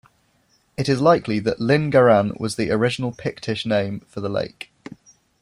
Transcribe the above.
It is likely that "Linn Garan" was the original Pictish name for the lake.